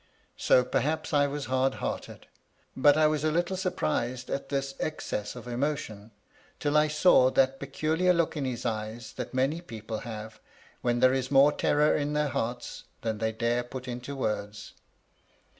So, perhaps, I was hard hearted ; but I was a little surprised at this excess of emotion, till I saw that peculiar look in his eyes that many people have when there is more terror in their hearts than they dare put into words.